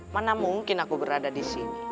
mana mungkin aku berada di sini